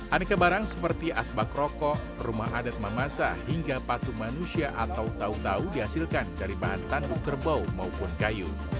aneka barang seperti asbak rokok rumah adat mamasa hingga patu manusia atau tau tau dihasilkan dari bahan tanduk kerbau maupun kayu